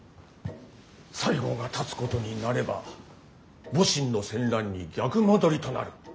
西郷が立つことになれば戊辰の戦乱に逆戻りとなる。